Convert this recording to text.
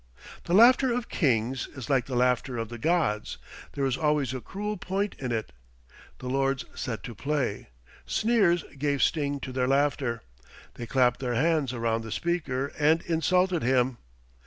The laughter of kings is like the laughter of the gods. There is always a cruel point in it. The lords set to play. Sneers gave sting to their laughter. They clapped their hands around the speaker, and insulted him.